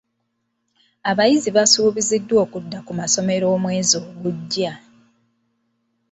Abayizi basuubiziddwa okudda ku masomero mu mwezi ogujja.